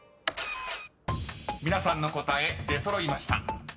［皆さんの答え出揃いました］